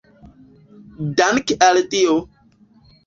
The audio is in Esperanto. Dank’ al Dio!